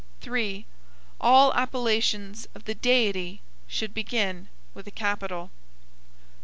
3. All appellations of the Deity should begin with a capital.